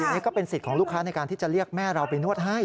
นี่ก็เป็นสิทธิ์ของลูกค้าในการที่จะเรียกแม่เราไปนวดให้